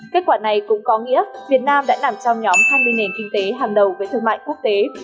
kết quả này cũng có nghĩa việt nam đã nằm trong nhóm hai mươi nền kinh tế hàng đầu với thương mại quốc tế